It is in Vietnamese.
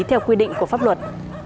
theo quy định của pháp luật